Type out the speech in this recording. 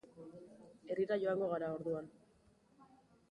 Herrira joango gara, orduan.